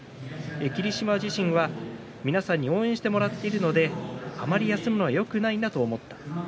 霧島自身は皆さんに応援してもらっているのであまり休むのはよくないなと思った。